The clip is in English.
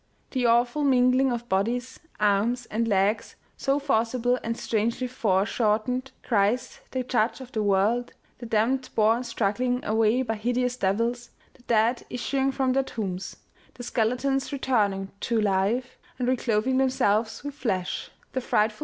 The awful mingling of bodies, arms and legs, so forcibly and strangely foreshortened ; Christ, the judge of the world ; the damned borne struggling away by hideous devils ; the dead issuing from their tombs ; the skeletons returning to life and reclothing themselves with flesh ; the frightful 126 OMEGA.